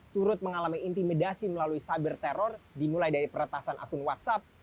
turut mengalami intimidasi melalui cyber teror dimulai dari peretasan akun whatsapp